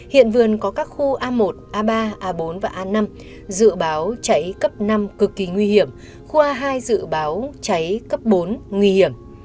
hiện vườn có các khu a một a ba a bốn và a năm dự báo cháy cấp năm cực kỳ nguy hiểm khoa hai dự báo cháy cấp bốn nguy hiểm